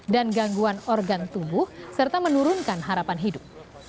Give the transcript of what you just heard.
dan gangguan organ tubuh serta menurunkan harapan hidup